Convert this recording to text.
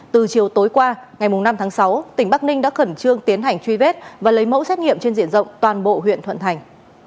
từ chiều tối qua ngày năm tháng sáu tỉnh bắc ninh đã khẩn trương tiến hành truy vết và lấy mẫu xét nghiệm trên diện rộng toàn bộ huyện thuận thành